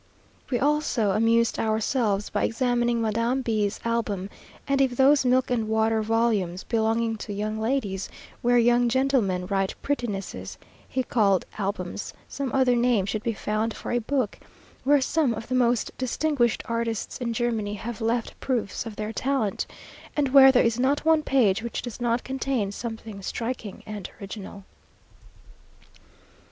We also amused ourselves by examining Madame B 's Album; and if those milk and water volumes, belonging to young ladies, where young gentlemen write prettinesses, be called Albums, some other name should be found for a book where some of the most distinguished artists in Germany have left proofs of their talent, and where there is not one page which does not contain something striking and original.